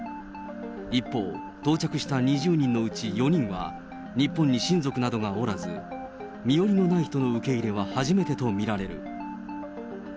一方、到着した２０人のうち４人は、日本に親族などがおらず、身寄りのない人の受け入れは初めてと見られる。